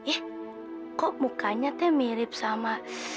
ih kok mukanya tuh mirip sama